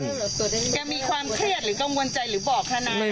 ก็เลยติดต่อไป